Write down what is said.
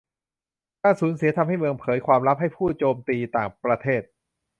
การสูญเสียทำให้เมืองเผยความลับให้ผู้โจมตีต่างประเทศ